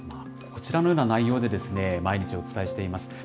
こちらのような内容で、毎日お伝えしています。